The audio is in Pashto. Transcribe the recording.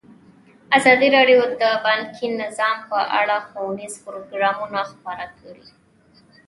ازادي راډیو د بانکي نظام په اړه ښوونیز پروګرامونه خپاره کړي.